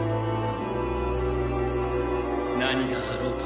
何があろうと。